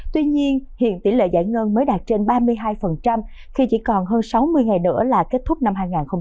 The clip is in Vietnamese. tuy nhiên hiện tỷ lệ giải ngân mới đạt trên ba mươi hai khi chỉ còn hơn sáu mươi ngày nữa là kết thúc năm hai nghìn hai mươi ba